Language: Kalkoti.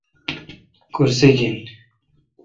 کرسہ گین۔